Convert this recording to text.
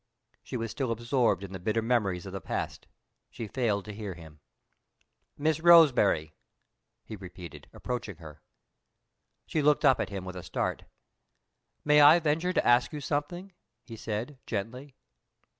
She was still absorbed in the bitter memories of the past: she failed to hear him. "Miss Roseberry," he repeated, approaching her. She looked up at him with a start. "May I venture to ask you something?" he said, gently.